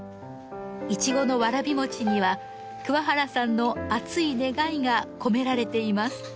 イチゴのわらび餅には桑原さんの熱い願いが込められています。